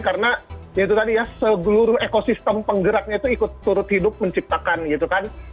karena itu tadi ya segeluruh ekosistem penggeraknya itu ikut turut hidup menciptakan gitu kan